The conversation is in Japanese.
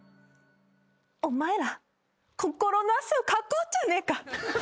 お前ら心の汗をかこうじゃねえか。